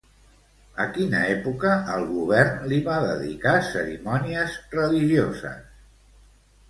A quina època el govern li va dedicar cerimònies religioses?